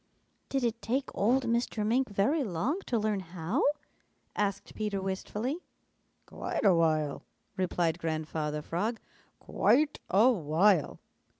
"Did it take old Mr. Mink very long to learn how?" asked Peter wistfully. "Quite a while," replied Grandfather Frog. "Quite a while.